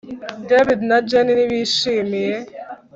David na Jane ntibishimiye